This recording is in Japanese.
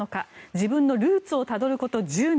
自分のルーツをたどること１０年